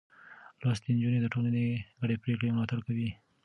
لوستې نجونې د ټولنې ګډې پرېکړې ملاتړ کوي.